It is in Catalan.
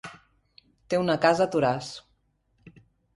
Té una casa a Toràs.